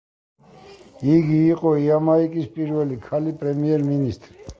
იგი იყო იამაიკის პირველი ქალი პრემიერ-მინისტრი.